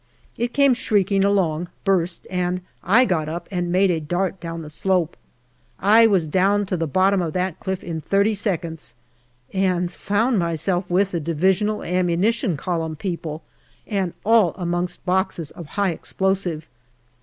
It came shrieking along, burst, and I got up and made a dart down the slope. I was down to the bottom of that cliff in thirty seconds, and found myself with the Divisional Ammunition Column people, and all amongst boxes of high explosive.